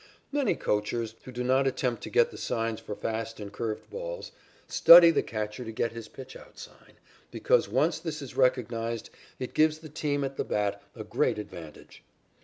Many coachers, who do not attempt to get the signs for fast and curved balls, study the catcher to get his pitchout sign, because once this is recognized it gives the team at the bat a great advantage.